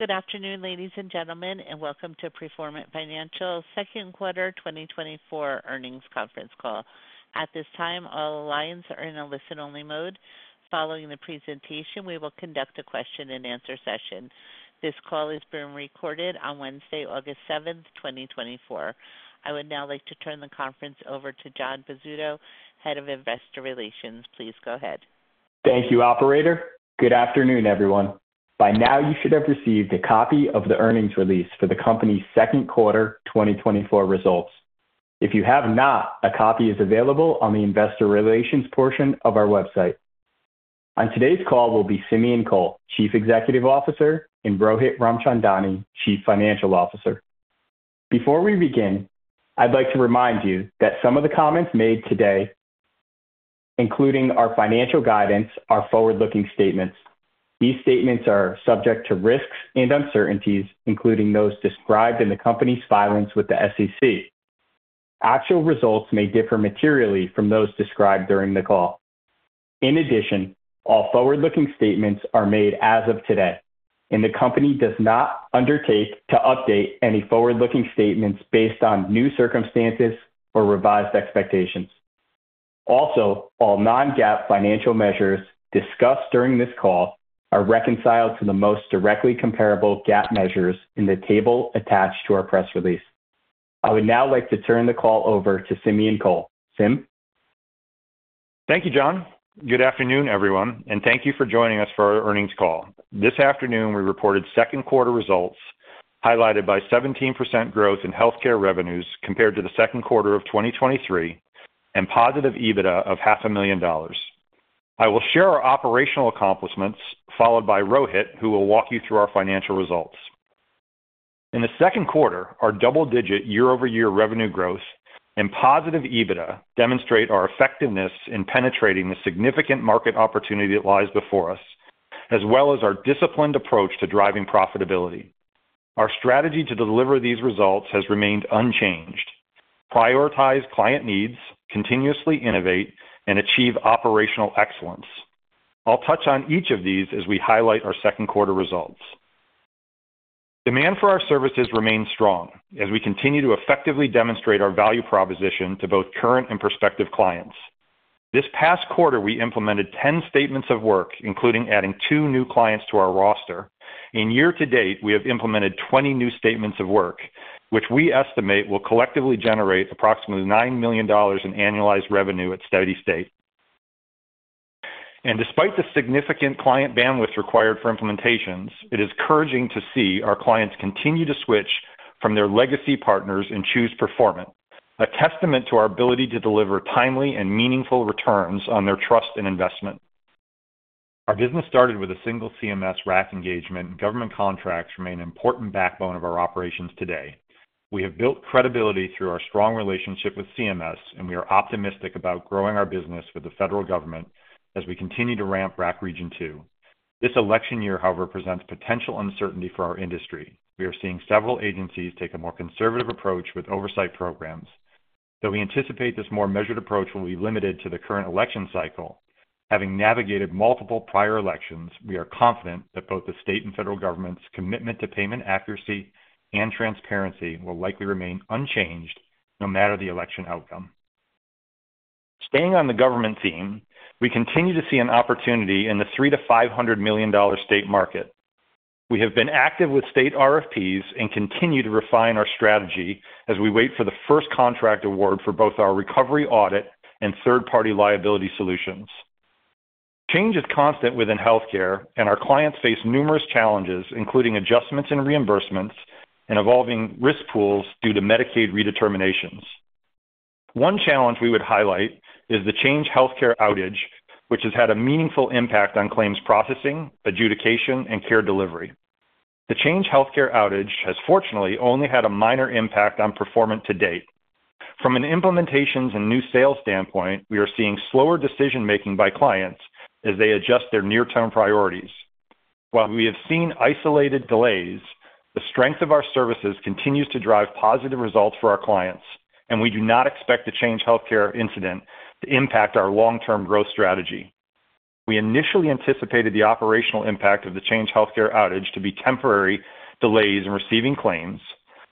Good afternoon, ladies and gentlemen, and welcome to Performant Financial's Q2 2024 earnings conference call. At this time, all lines are in a listen-only mode. Following the presentation, we will conduct a question-and-answer session. This call is being recorded on Wednesday, August 7, 2024. I would now like to turn the conference over to John Pizzuto, Head of Investor Relations. Please go ahead. Thank you, operator. Good afternoon, everyone. By now, you should have received a copy of the earnings release for the company's Q2 2024 results. If you have not, a copy is available on the investor relations portion of our website. On today's call will be Simeon Kohl, Chief Executive Officer, and Rohit Ramchandani, Chief Financial Officer. Before we begin, I'd like to remind you that some of the comments made today, including our financial guidance, are forward-looking statements. These statements are subject to risks and uncertainties, including those described in the company's filings with the SEC. Actual results may differ materially from those described during the call. In addition, all forward-looking statements are made as of today, and the company does not undertake to update any forward-looking statements based on new circumstances or revised expectations. Also, all non-GAAP financial measures discussed during this call are reconciled to the most directly comparable GAAP measures in the table attached to our press release. I would now like to turn the call over to Simeon Kohl. Sim? Thank you, John. Good afternoon, everyone, and thank you for joining us for our earnings call. This afternoon, we reported Q2 results, highlighted by 17% growth in healthcare revenues compared to the Q2 of 2023 and positive EBITDA of $500,000. I will share our operational accomplishments, followed by Rohit, who will walk you through our financial results. In the Q2, our double-digit quarter-over-quarter revenue growth and positive EBITDA demonstrate our effectiveness in penetrating the significant market opportunity that lies before us, as well as our disciplined approach to driving profitability. Our strategy to deliver these results has remained unchanged: prioritize client needs, continuously innovate, and achieve operational excellence. I'll touch on each of these as we highlight our Q2 results. Demand for our services remains strong as we continue to effectively demonstrate our value proposition to both current and prospective clients. This past quarter, we implemented 10 statements of work, including adding 2 new clients to our roster. In year to date, we have implemented 20 new statements of work, which we estimate will collectively generate approximately $9 million in annualized revenue at steady state. And despite the significant client bandwidth required for implementations, it is encouraging to see our clients continue to switch from their legacy partners and choose Performant, a testament to our ability to deliver timely and meaningful returns on their trust and investment. Our business started with a single CMS RAC engagement, and government contracts remain an important backbone of our operations today. We have built credibility through our strong relationship with CMS, and we are optimistic about growing our business with the federal government as we continue to ramp RAC Region Two. This election year, however, presents potential uncertainty for our industry. We are seeing several agencies take a more conservative approach with oversight programs. Though we anticipate this more measured approach will be limited to the current election cycle, having navigated multiple prior elections, we are confident that both the state and federal government's commitment to payment accuracy and transparency will likely remain unchanged, no matter the election outcome. Staying on the government theme, we continue to see an opportunity in the $300 million-$500 million state market. We have been active with state RFPs and continue to refine our strategy as we wait for the first contract award for both our recovery audit and third-party liability solutions. Change is constant within healthcare, and our clients face numerous challenges, including adjustments in reimbursements and evolving risk pools due to Medicaid redeterminations. One challenge we would highlight is the Change Healthcare outage, which has had a meaningful impact on claims processing, adjudication, and care delivery. The Change Healthcare outage has fortunately only had a minor impact on Performant to date. From an implementations and new sales standpoint, we are seeing slower decision-making by clients as they adjust their near-term priorities. While we have seen isolated delays, the strength of our services continues to drive positive results for our clients, and we do not expect the Change Healthcare incident to impact our long-term growth strategy. We initially anticipated the operational impact of the Change Healthcare outage to be temporary delays in receiving claims,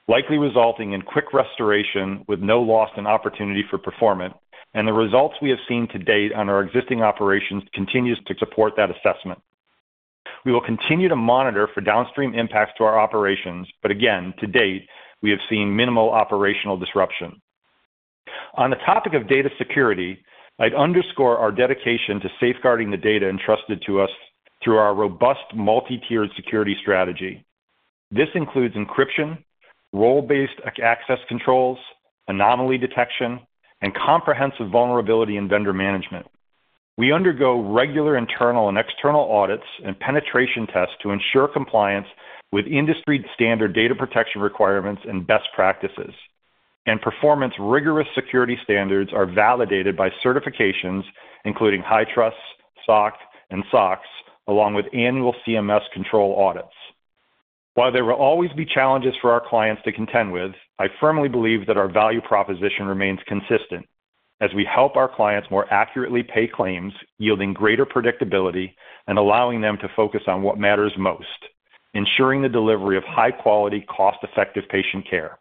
likely resulting in quick restoration with no loss in opportunity for Performant, and the results we have seen to date on our existing operations continues to support that assessment. We will continue to monitor for downstream impacts to our operations, but again, to date, we have seen minimal operational disruption. On the topic of data security, I'd underscore our dedication to safeguarding the data entrusted to us through our robust multi-tiered security strategy. This includes encryption, role-based access controls, anomaly detection, and comprehensive vulnerability and vendor management. We undergo regular internal and external audits and penetration tests to ensure compliance with industry standard data protection requirements and best practices. Performant's rigorous security standards are validated by certifications including HITRUST, SOC, and SOX, along with annual CMS control audits. While there will always be challenges for our clients to contend with, I firmly believe that our value proposition remains consistent… as we help our clients more accurately pay claims, yielding greater predictability and allowing them to focus on what matters most, ensuring the delivery of high-quality, cost-effective patient care.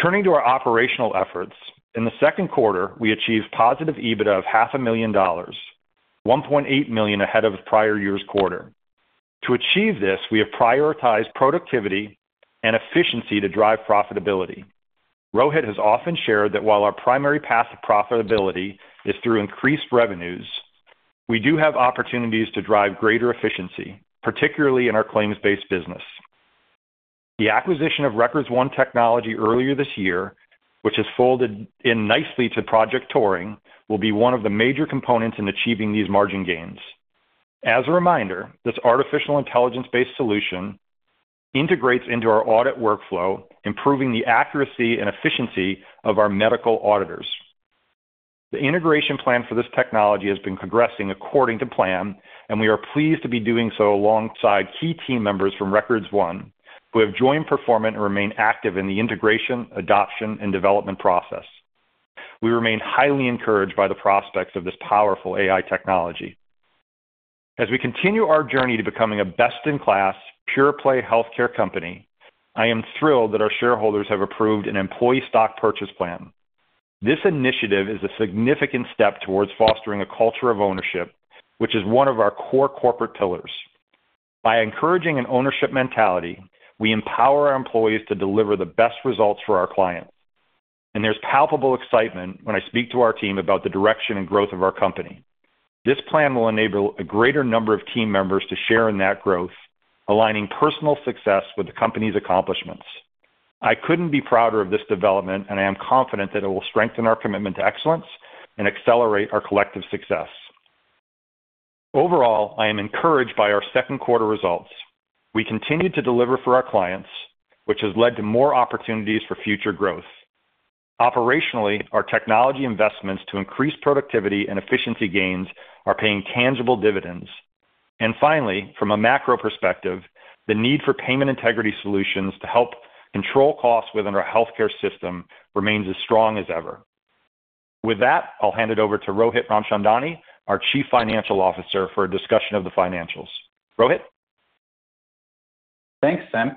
Turning to our operational efforts, in the Q2, we achieved positive EBITDA of $500,000, $1.8 million ahead of the prior year's quarter. To achieve this, we have prioritized productivity and efficiency to drive profitability. Rohit has often shared that while our primary path to profitability is through increased revenues, we do have opportunities to drive greater efficiency, particularly in our claims-based business. The acquisition of RecordsOne technology earlier this year, which has folded in nicely to Project Turing, will be one of the major components in achieving these margin gains. As a reminder, this artificial intelligence-based solution integrates into our audit workflow, improving the accuracy and efficiency of our medical auditors. The integration plan for this technology has been progressing according to plan, and we are pleased to be doing so alongside key team members from RecordsOne, who have joined Performant and remain active in the integration, adoption, and development process. We remain highly encouraged by the prospects of this powerful AI technology. As we continue our journey to becoming a best-in-class, pure-play healthcare company, I am thrilled that our shareholders have approved an employee stock purchase plan. This initiative is a significant step towards fostering a culture of ownership, which is one of our core corporate pillars. By encouraging an ownership mentality, we empower our employees to deliver the best results for our clients, and there's palpable excitement when I speak to our team about the direction and growth of our company. This plan will enable a greater number of team members to share in that growth, aligning personal success with the company's accomplishments. I couldn't be prouder of this development, and I am confident that it will strengthen our commitment to excellence and accelerate our collective success. Overall, I am encouraged by our Q2 results. We continued to deliver for our clients, which has led to more opportunities for future growth. Operationally, our technology investments to increase productivity and efficiency gains are paying tangible dividends. And finally, from a macro perspective, the need for payment integrity solutions to help control costs within our healthcare system remains as strong as ever. With that, I'll hand it over to Rohit Ramchandani, our Chief Financial Officer, for a discussion of the financials. Rohit? Thanks, Sim.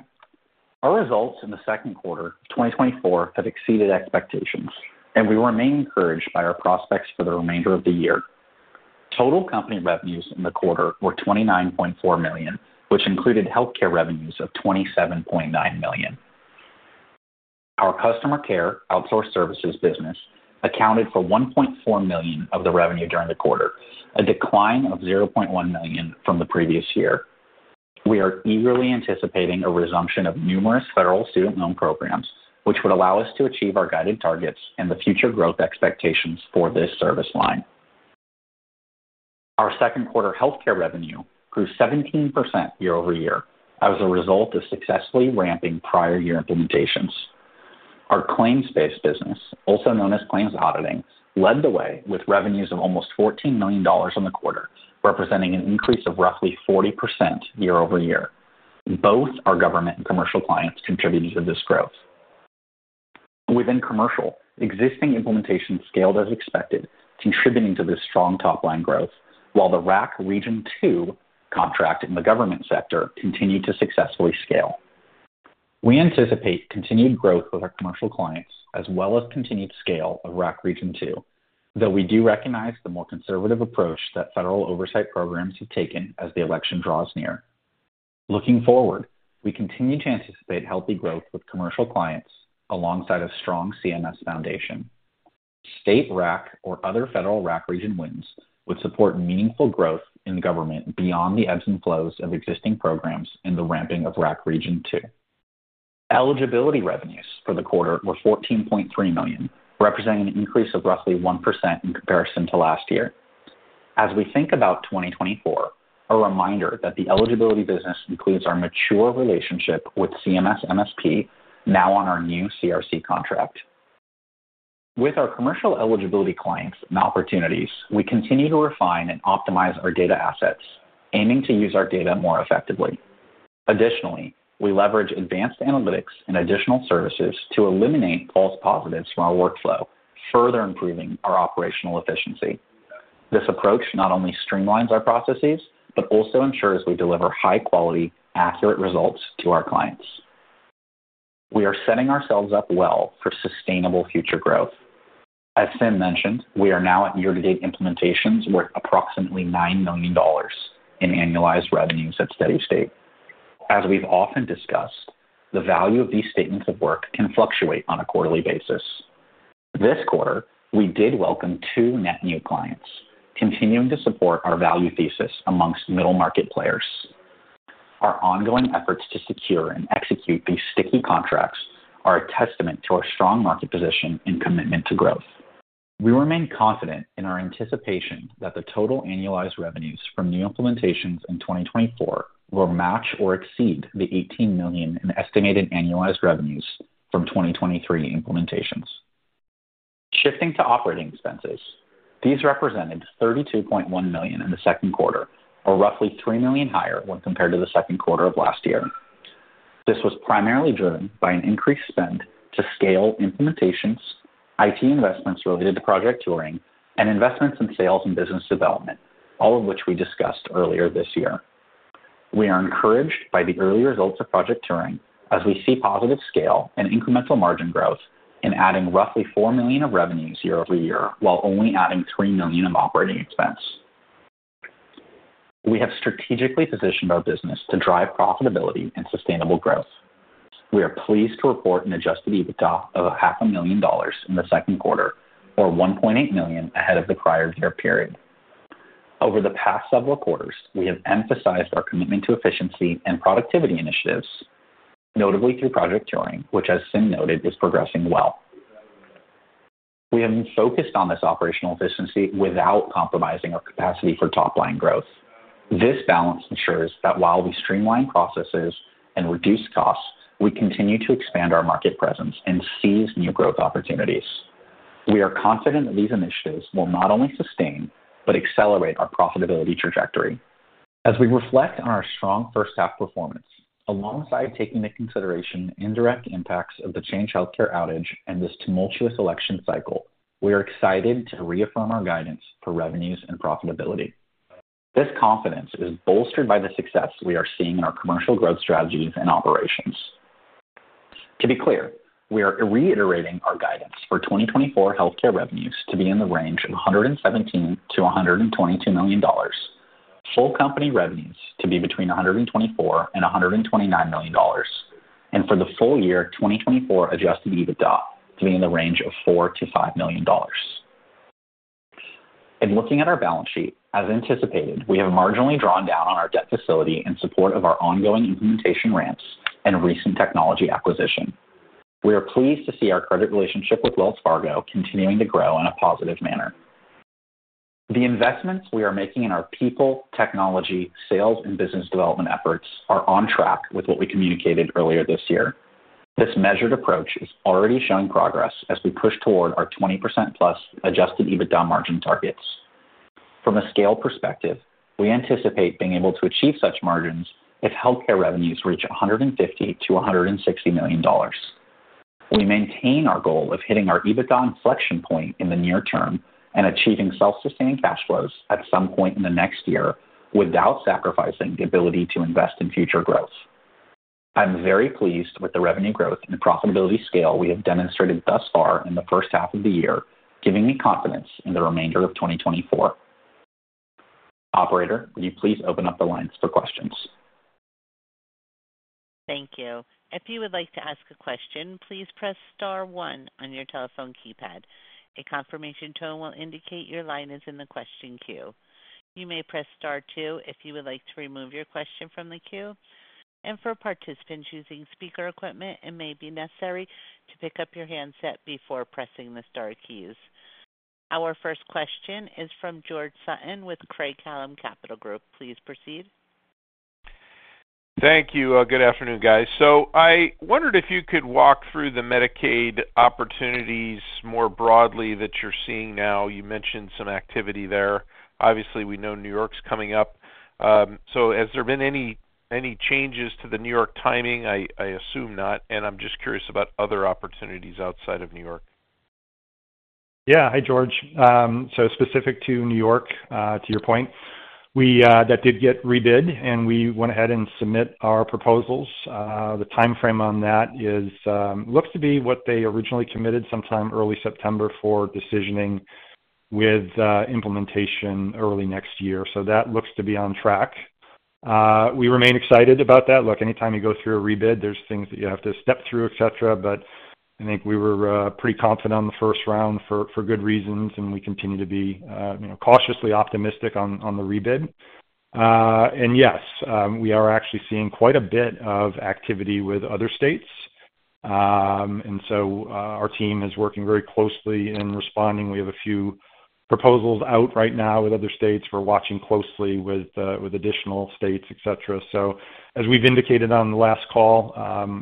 Our results in the Q2 of 2024 have exceeded expectations, and we remain encouraged by our prospects for the remainder of the year. Total company revenues in the quarter were $29.4 million, which included healthcare revenues of $27.9 million. Our customer care outsource services business accounted for $1.4 million of the revenue during the quarter, a decline of $0.1 million from the previous year. We are eagerly anticipating a resumption of numerous federal student loan programs, which would allow us to achieve our guided targets and the future growth expectations for this service line. Our Q2 healthcare revenue grew 17% quarter-over-quarter as a result of successfully ramping prior year implementations. Our claims-based business, also known as claims auditing, led the way with revenues of almost $14 million in the quarter, representing an increase of roughly 40% year over year. Both our government and commercial clients contributed to this growth. Within commercial, existing implementations scaled as expected, contributing to this strong top-line growth, while the RAC Region Two contract in the government sector continued to successfully scale. We anticipate continued growth with our commercial clients, as well as continued scale of RAC Region Two, though we do recognize the more conservative approach that federal oversight programs have taken as the election draws near. Looking forward, we continue to anticipate healthy growth with commercial clients alongside a strong CMS foundation. State RAC or other federal RAC region wins would support meaningful growth in the government beyond the ebbs and flows of existing programs and the ramping of RAC Region Two. Eligibility revenues for the quarter were $14.3 million, representing an increase of roughly 1% in comparison to last year. As we think about 2024, a reminder that the eligibility business includes our mature relationship with CMS MSP, now on our new CRC contract. With our commercial eligibility clients and opportunities, we continue to refine and optimize our data assets, aiming to use our data more effectively. Additionally, we leverage advanced analytics and additional services to eliminate false positives from our workflow, further improving our operational efficiency. This approach not only streamlines our processes, but also ensures we deliver high-quality, accurate results to our clients. We are setting ourselves up well for sustainable future growth. As Sim mentioned, we are now at year-to-date implementations worth approximately $9 million in annualized revenues at steady state. As we've often discussed, the value of these statements of work can fluctuate on a quarterly basis. This quarter, we did welcome two net new clients, continuing to support our value thesis amongst middle-market players. Our ongoing efforts to secure and execute these sticky contracts are a testament to our strong market position and commitment to growth. We remain confident in our anticipation that the total annualized revenues from new implementations in 2024 will match or exceed the $18 million in estimated annualized revenues from 2023 implementations. Shifting to operating expenses, these represented $32.1 million in the Q2, or roughly $3 million higher when compared to the Q2 of last year. This was primarily driven by an increased spend to scale implementations, IT investments related to Project Turing, and investments in sales and business development, all of which we discussed earlier this year. We are encouraged by the early results of Project Turing, as we see positive scale and incremental margin growth in adding roughly $4 million of revenues quarter-over-quarter, while only adding $3 million of operating expense. We have strategically positioned our business to drive profitability and sustainable growth. We are pleased to report an Adjusted EBITDA of $500,000 in the Q2, or $1.8 million ahead of the prior year period. Over the past several quarters, we have emphasized our commitment to efficiency and productivity initiatives, notably through Project Turing, which, as Sim noted, is progressing well. We have been focused on this operational efficiency without compromising our capacity for top-line growth. This balance ensures that while we streamline processes and reduce costs, we continue to expand our market presence and seize new growth opportunities. We are confident that these initiatives will not only sustain, but accelerate our profitability trajectory. As we reflect on our strong H1 performance, alongside taking into consideration the indirect impacts of the Change Healthcare outage and this tumultuous election cycle, we are excited to reaffirm our guidance for revenues and profitability. This confidence is bolstered by the success we are seeing in our commercial growth strategies and operations. To be clear, we are reiterating our guidance for 2024 healthcare revenues to be in the range of $117 million-$122 million. Full company revenues to be between $124 million and $129 million, and for the full year 2024 Adjusted EBITDA to be in the range of $4 million-$5 million. In looking at our balance sheet, as anticipated, we have marginally drawn down on our debt facility in support of our ongoing implementation ramps and recent technology acquisition. We are pleased to see our credit relationship with Wells Fargo continuing to grow in a positive manner. The investments we are making in our people, technology, sales, and business development efforts are on track with what we communicated earlier this year. This measured approach is already showing progress as we push toward our 20%+ Adjusted EBITDA margin targets. From a scale perspective, we anticipate being able to achieve such margins if healthcare revenues reach $150 million-$160 million. We maintain our goal of hitting our EBITDA inflection point in the near term and achieving self-sustaining cash flows at some point in the next year, without sacrificing the ability to invest in future growth. I'm very pleased with the revenue growth and profitability scale we have demonstrated thus far in the H1 of the year, giving me confidence in the remainder of 2024. Operator, will you please open up the lines for questions? Thank you. If you would like to ask a question, please press star one on your telephone keypad. A confirmation tone will indicate your line is in the question queue. You may press star two if you would like to remove your question from the queue. For participants using speaker equipment, it may be necessary to pick up your handset before pressing the star keys. Our first question is from George Sutton with Craig-Hallum Capital Group. Please proceed. Thank you. Good afternoon, guys. So I wondered if you could walk through the Medicaid opportunities more broadly that you're seeing now. You mentioned some activity there. Obviously, we know New York's coming up. So has there been any changes to the New York timing? I assume not, and I'm just curious about other opportunities outside of New York. Yeah. Hi, George. So specific to New York, to your point, we, that did get rebid, and we went ahead and submit our proposals. The timeframe on that is, looks to be what they originally committed, sometime early September for decisioning with implementation early next year. So that looks to be on track. We remain excited about that. Look, anytime you go through a rebid, there's things that you have to step through, et cetera, but I think we were pretty confident on the first round for good reasons, and we continue to be, you know, cautiously optimistic on the rebid. And yes, we are actually seeing quite a bit of activity with other states. And so, our team is working very closely in responding. We have a few proposals out right now with other states. We're watching closely with additional states, et cetera. So as we've indicated on the last call,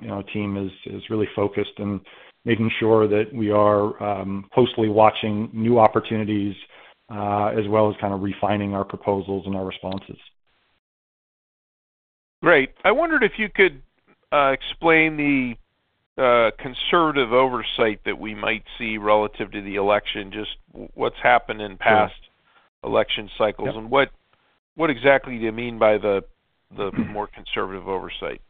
you know, our team is really focused in making sure that we are closely watching new opportunities, as well as kind of refining our proposals and our responses. Great. I wondered if you could explain the conservative oversight that we might see relative to the election, just what's happened in past election cycles? Yeah. What exactly do you mean by the more conservative oversight?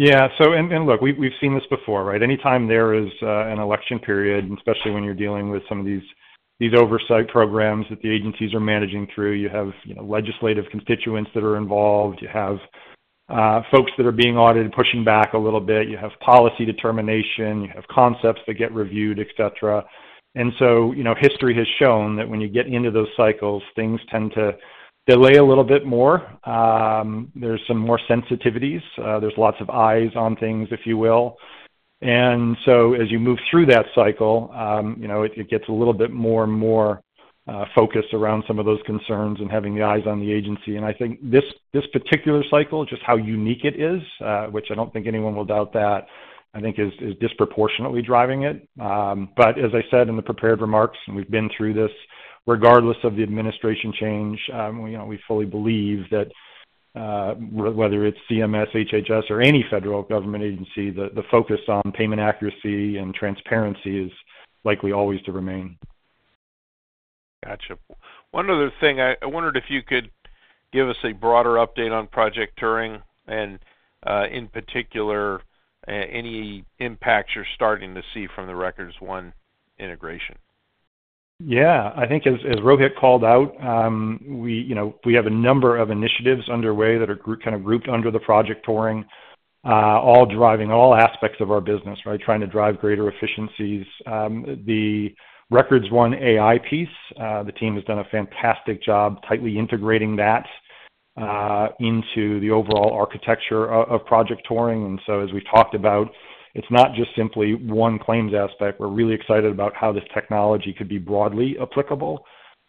Yeah. So, and look, we've seen this before, right? Anytime there is an election period, especially when you're dealing with some of these oversight programs that the agencies are managing through, you have, you know, legislative constituents that are involved. You have folks that are being audited, pushing back a little bit. You have policy determination, you have concepts that get reviewed, et cetera. And so, you know, history has shown that when you get into those cycles, things tend to delay a little bit more. There's some more sensitivities. There's lots of eyes on things, if you will. And so as you move through that cycle, you know, it gets a little bit more and more focused around some of those concerns and having the eyes on the agency. And I think this, this particular cycle, just how unique it is, which I don't think anyone will doubt that-... I think is disproportionately driving it. But as I said in the prepared remarks, and we've been through this, regardless of the administration change, you know, we fully believe that whether it's CMS, HHS, or any federal government agency, the focus on payment accuracy and transparency is likely always to remain. Gotcha. One other thing, I wondered if you could give us a broader update on Project Turing, and, in particular, any impacts you're starting to see from the RecordsOne integration. Yeah. I think as Rohit called out, we, you know, we have a number of initiatives underway that are kind of grouped under the Project Turing, all driving all aspects of our business, right? Trying to drive greater efficiencies. The RecordsOne AI piece, the team has done a fantastic job tightly integrating that into the overall architecture of Project Turing. And so as we've talked about, it's not just simply one claims aspect. We're really excited about how this technology could be broadly applicable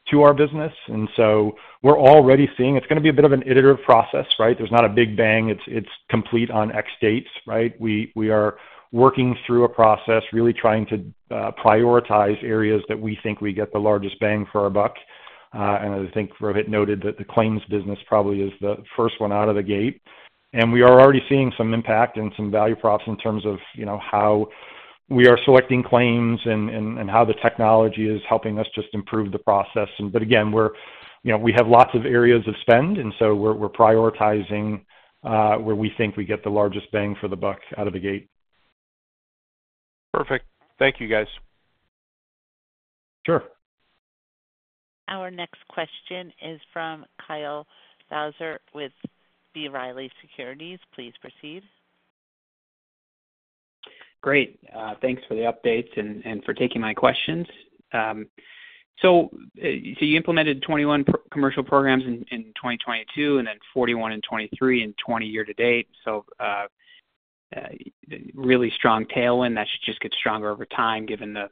to our business. And so we're already seeing... It's gonna be a bit of an iterative process, right? There's not a big bang, it's complete on X dates, right? We are working through a process, really trying to prioritize areas that we think we get the largest bang for our buck. I think Rohit noted that the claims business probably is the first one out of the gate, and we are already seeing some impact and some value props in terms of, you know, how we are selecting claims and how the technology is helping us just improve the process. But again, we're, you know, we have lots of areas of spend, and so we're prioritizing where we think we get the largest bang for the buck out of the gate. Perfect. Thank you, guys. Sure. Our next question is from Kyle Bauser, with B. Riley Securities. Please proceed. Great. Thanks for the updates and for taking my questions. So, so you implemented 21 commercial programs in 2022, and then 41 in 2023, and 20 year to date. So, really strong tailwind, that should just get stronger over time, given the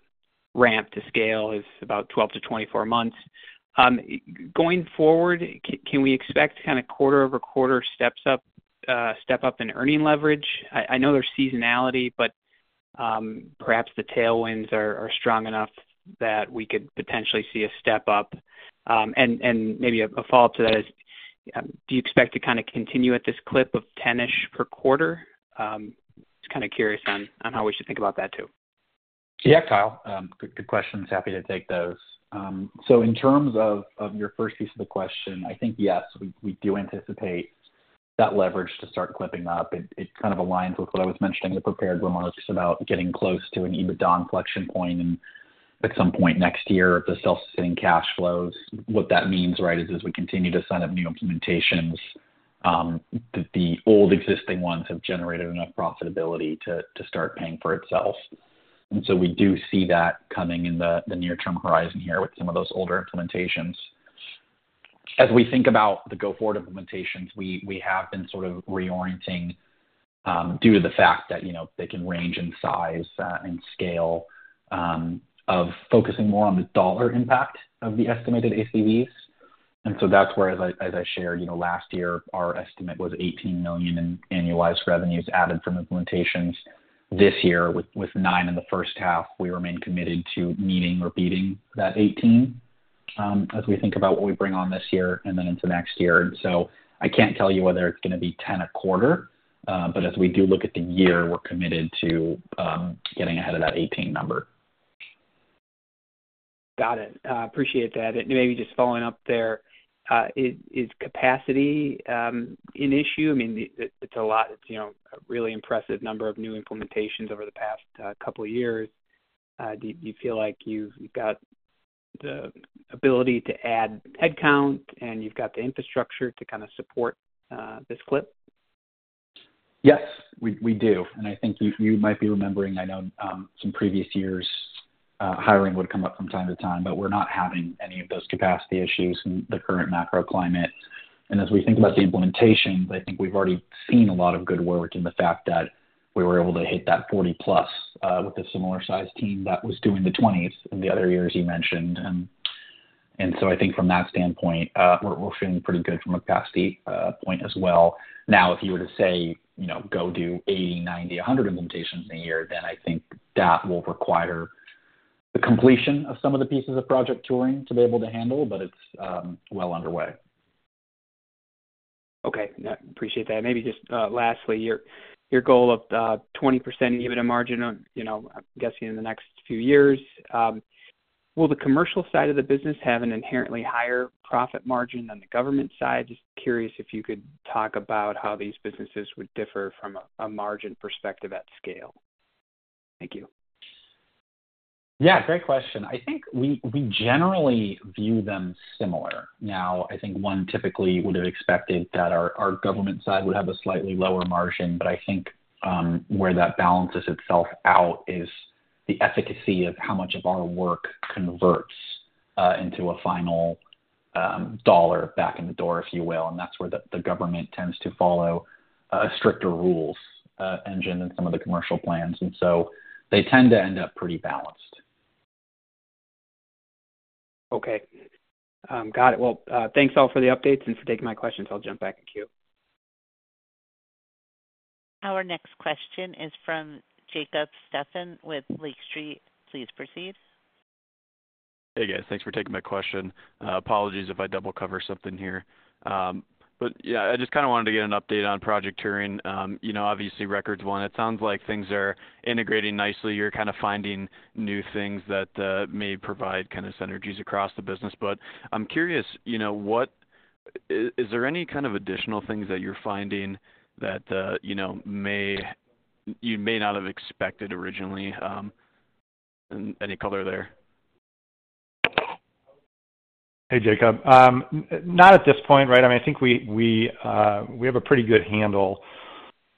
ramp to scale is about 12-24 months. Going forward, can we expect kind of quarter-over-quarter steps up, step up in earning leverage? I know there's seasonality, but, perhaps the tailwinds are strong enough that we could potentially see a step up. And maybe a follow-up to that is, do you expect to kind of continue at this clip of 10-ish per quarter? Just kind of curious on how we should think about that too. Yeah, Kyle, good, good questions. Happy to take those. So in terms of, of your first piece of the question, I think, yes, we, we do anticipate that leverage to start clipping up. It, it kind of aligns with what I was mentioning in the prepared remarks about getting close to an EBITDA inflection point, and at some point next year, the self-sitting cash flows. What that means, right, is as we continue to sign up new implementations, that the old existing ones have generated enough profitability to, to start paying for itself. And so we do see that coming in the, the near-term horizon here with some of those older implementations. As we think about the go-forward implementations, we have been sort of reorienting due to the fact that, you know, they can range in size and scale of focusing more on the dollar impact of the estimated ACVs. And so that's where, as I shared, you know, last year, our estimate was $18 million in annualized revenues added from implementations. This year, with 9 in the H1, we remain committed to meeting or beating that 18, as we think about what we bring on this year and then into next year. So I can't tell you whether it's gonna be 10 a quarter, but as we do look at the year, we're committed to getting ahead of that 18 number. Got it. Appreciate that. And maybe just following up there, is capacity an issue? I mean, it, it's a lot. It's, you know, a really impressive number of new implementations over the past couple of years. Do you feel like you've got the ability to add headcount, and you've got the infrastructure to kinda support this clip? Yes, we, we do. And I think you, you might be remembering, I know, some previous years, hiring would come up from time to time, but we're not having any of those capacity issues in the current macroclimate. And as we think about the implementations, I think we've already seen a lot of good work in the fact that we were able to hit that 40+, with a similar size team that was doing the 20s in the other years you mentioned. And, and so I think from that standpoint, we're, we're feeling pretty good from a capacity point as well. Now, if you were to say, you know, go do 80, 90, 100 implementations in a year, then I think that will require the completion of some of the pieces of Project Turing to be able to handle, but it's, well underway. Okay, yeah, appreciate that. Maybe just, lastly, your, your goal of, 20% EBITDA margin on, you know, I'm guessing in the next few years, will the commercial side of the business have an inherently higher profit margin than the government side? Just curious if you could talk about how these businesses would differ from a, a margin perspective at scale. Thank you. Yeah, great question. I think we generally view them similar. Now, I think one typically would have expected that our government side would have a slightly lower margin, but I think where that balances itself out is the efficacy of how much of our work converts into a final dollar back in the door, if you will, and that's where the government tends to follow stricter rules in general than some of the commercial plans, and so they tend to end up pretty balanced.... Okay. Got it. Well, thanks all for the updates and for taking my questions. I'll jump back in queue. Our next question is from Jacob Stephan with Lake Street. Please proceed. Hey, guys. Thanks for taking my question. Apologies if I double cover something here. But yeah, I just kinda wanted to get an update on Project Turing. You know, obviously, RecordsOne, it sounds like things are integrating nicely. You're kind of finding new things that may provide kind of synergies across the business. But I'm curious, you know, what is there any kind of additional things that you're finding that you know may not have expected originally, any color there? Hey, Jacob. Not at this point, right? I mean, I think we have a pretty good handle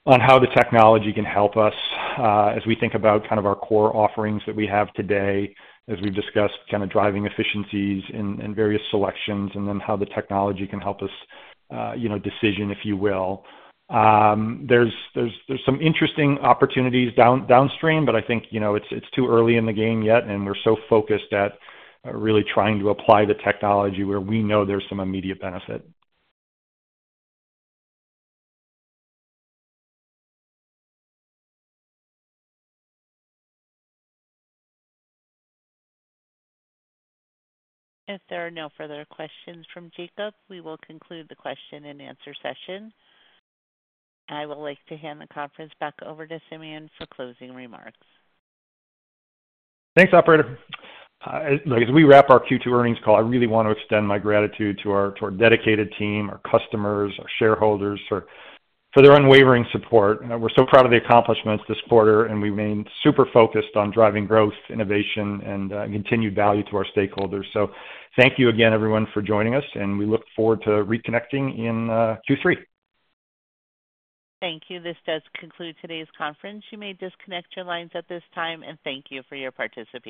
on how the technology can help us as we think about kind of our core offerings that we have today, as we've discussed, kind of driving efficiencies in various selections, and then how the technology can help us, you know, decision, if you will. There's some interesting opportunities downstream, but I think, you know, it's too early in the game yet, and we're so focused at really trying to apply the technology where we know there's some immediate benefit. If there are no further questions from Jacob, we will conclude the question and answer session. I would like to hand the conference back over to Simeon for closing remarks. Thanks, operator. As we wrap our Q2 earnings call, I really want to extend my gratitude to our dedicated team, our customers, our shareholders, for their unwavering support. We're so proud of the accomplishments this quarter, and we remain super focused on driving growth, innovation and continued value to our stakeholders. Thank you again, everyone, for joining us, and we look forward to reconnecting in Q3. Thank you. This does conclude today's conference. You may disconnect your lines at this time, and thank you for your participation.